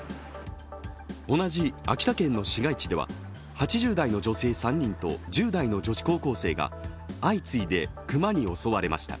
同じ秋田県の市街地では８０代の女性３人と２０代の女子高校生が相次いで熊に襲われました。